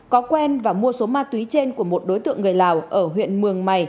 có quen và mua số ma túy trên của một đối tượng người lào ở huyện mường mày